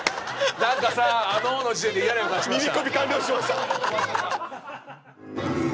「何かさあの」の時点で嫌な予感しました。